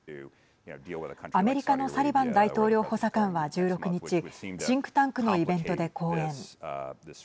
アメリカのサリバン大統領補佐官は１６日シンクタンクのイベントで講演。